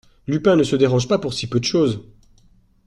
Lupin ne se dérange pas pour si peu de chose.